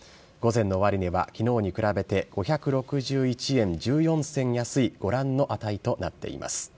午前の終値はきのうに比べて５６１円１４銭安いご覧の値となっています。